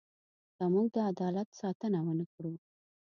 که موږ د عدالت ساتنه ونه کړو.